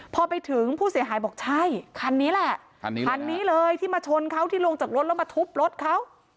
พอไปถึงผู้เสียหายบอกใช่คันนี้แหละคันนี้คันนี้เลยที่มาชนเขาที่ลงจากรถแล้วมาทุบรถเขา